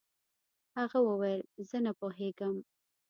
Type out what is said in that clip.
هغه وویل چې زه نه پوهیږم.